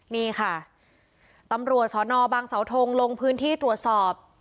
นี่ค่ะตำรวจสอนอบางเสาทงลงพื้นที่ตรวจสอบ